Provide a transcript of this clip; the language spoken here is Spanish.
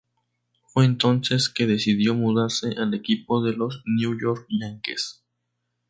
Fue entonces que decidió mudarse al equipo de los "New York Yankees".